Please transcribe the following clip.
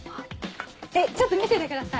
えっちょっと見せてください！